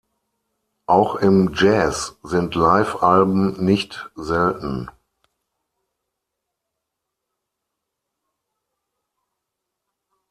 Auch im Jazz sind Livealben nicht selten.